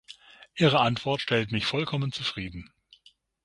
Ihre Antwort stellt mich vollkommen zufrieden.